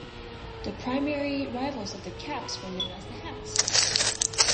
The primary rivals of the Caps were known as the Hats.